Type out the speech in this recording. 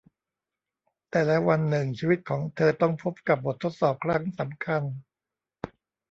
แต่แล้ววันหนึ่งชีวิตของเธอต้องพบกับบททดสอบครั้งสำคัญ